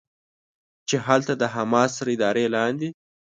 چې هلته د حماس تر ادارې لاندې